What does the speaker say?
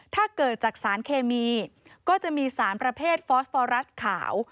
ถ้าเกิดจากสารเคมีก็จะมีสารประเภทฟอสฟอรัสขาว